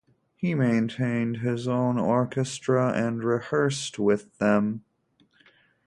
He maintained his own orchestra, and rehearsed with them.